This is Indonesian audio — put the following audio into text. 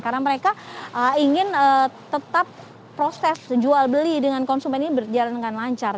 karena mereka ingin tetap proses jual beli dengan konsumen ini berjalan dengan lancar